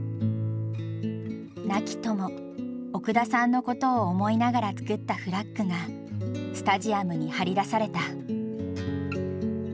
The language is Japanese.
亡き友奥田さんのことを思いながら作ったフラッグがスタジアムに張り出された。